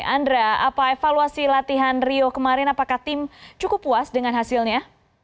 andra apa evaluasi latihan rio kemarin apakah tim cukup puas dengan hasilnya